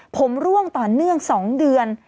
ผมร่วงต่อเนื่อง๒เดือน